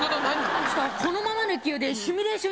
このままの勢いでシミュレーション